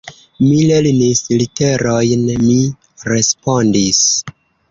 Mi lernis literojn, mi respondis.